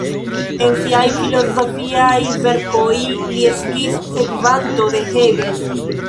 En siaj filozofiaj verkoj li estis sekvanto de Hegel.